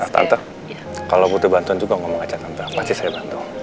tante kalau butuh bantuan juga ngomong aja ke tante pasti saya bantu